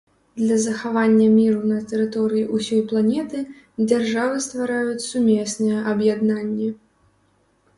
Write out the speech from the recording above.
Для захавання міру на тэрыторыі ўсёй планеты дзяржавы ствараюць сумесныя аб'яднанні.